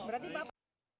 lenteng agung ya